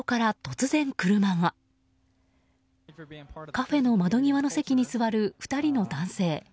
カフェの窓際の席に座る２人の男性。